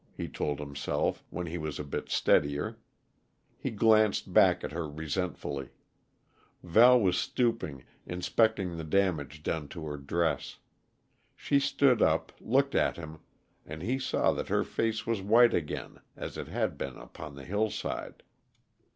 he told himself, when he was a bit steadier. He glanced back at her resentfully. Val was stooping, inspecting the damage done to her dress. She stood up, looked at him, and he saw that her face was white again, as it had been upon the hillside.